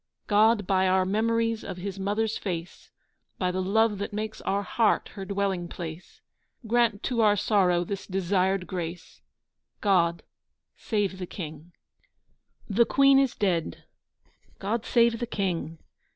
God, by our memories of his Mother's face, By the love that makes our heart her dwelling place, Grant to our sorrow this desired grace: God save the King! The Queen is dead. God save the King.